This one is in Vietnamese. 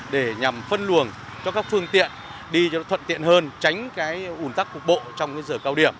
để nhằm phân luồng cho các phương tiện đi cho nó thuận tiện hơn tránh cái ủn tắc cục bộ trong cái giờ cao điểm